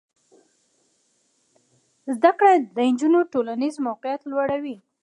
زده کړه د نجونو ټولنیز موقف لوړوي.